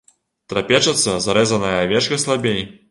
Трапечацца зарэзаная авечка слабей.